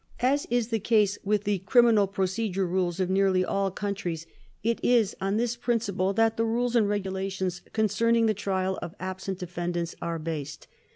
As is the case with the criminal procedure rules of nearly all countries, it is on this principle that the rules and regulations concerning the trial of absent defendants are based.